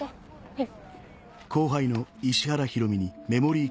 はい。